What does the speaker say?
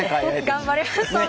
頑張ります！